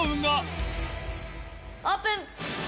オープン！